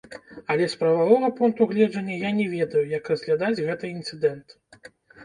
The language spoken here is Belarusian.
Але з прававога пункту гледжання я не ведаю, як разглядаць гэты інцыдэнт.